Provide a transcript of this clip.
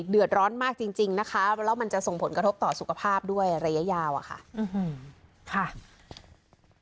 เดือดร้อนมากจริงนะคะแล้วมันจะส่งผลกระทบต่อสุขภาพด้วยระยะยาวอะค่ะ